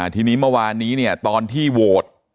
ทีนี้เมื่อวานนี้เนี่ยตอนที่โหวต